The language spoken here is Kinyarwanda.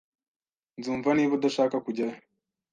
Nzumva niba udashaka kujyayo.